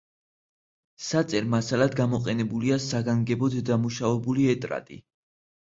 საწერ მასალად გამოყენებულია საგანგებოდ დამუშავებული ეტრატი.